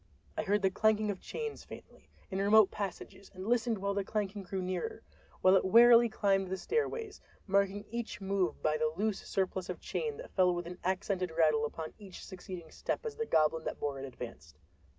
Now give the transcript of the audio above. I heard the clanking of chains faintly, in remote passages, and listened while the clanking grew nearer—while it wearily climbed the stairways, marking each move by the loose surplus of chain that fell with an accented rattle upon each succeeding step as the goblin that bore it advanced.